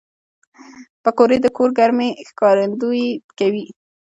پکورې د کور ګرمۍ ښکارندويي کوي